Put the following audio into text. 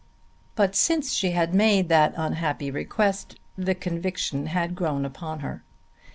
But since she had made that unhappy request the conviction had grown upon her.